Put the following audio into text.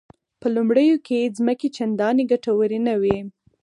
په لومړیو کې ځمکې چندانې ګټورې نه وې.